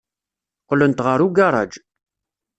Qqlent ɣer ugaṛaj.